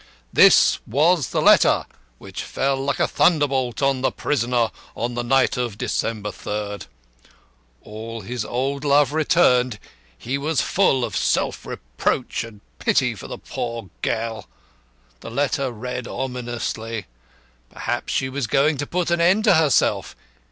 This was the letter which fell like a thunderbolt on the prisoner on the night of December 3rd. All his old love returned he was full of self reproach and pity for the poor girl. The letter read ominously. Perhaps she was going to put an end to herself.